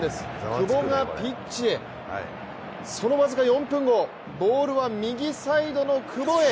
久保がピッチへ、その僅か４分後、ボールは右サイドの久保へ。